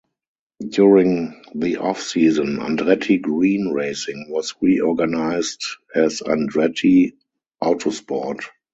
During the off-season Andretti Green Racing was reorganized as Andretti Autosport.